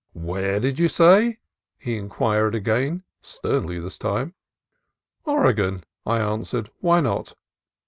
"Whar did you say?" he in quired again, sternly this time. "Oregon," I an swered; "why not?"